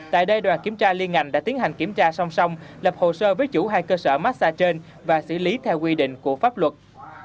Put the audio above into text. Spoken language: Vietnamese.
tại đây đoàn kiểm tra liên ngành đã tiến hành kiểm tra song song lập hồ sơ với chủ hai cơ sở massag trên và xử lý theo quy định của pháp luật